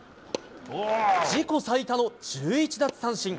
自己最多の１１奪三振。